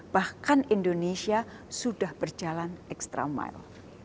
bahkan indonesia sudah berjalan ekstramail